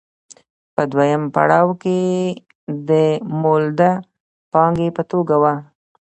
په دویم پړاو کې د مولده پانګې په توګه وه